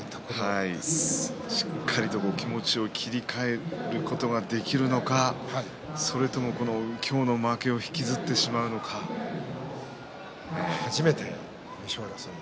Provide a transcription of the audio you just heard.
しっかり気持ちを切り替えることができるのかそれとも今日の負けを初めて優勝争い